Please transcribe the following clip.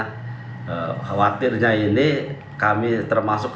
khawatirnya ini kami termasuk